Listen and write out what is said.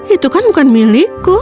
itu kan bukan milikku